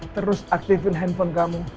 terus aktifin handphone kamu